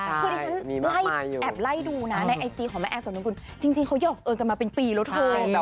คือที่ฉันแอบไล่ดูนะในไอจีของแม่แอฟกับนมกุลจริงเขาหอกเอิญกันมาเป็นปีแล้วเธอ